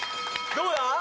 どうだ？